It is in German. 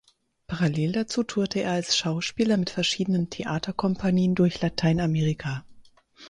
Parallel dazu tourte er als Schauspieler mit verschiedenen Theaterkompanien durch Lateinamerika.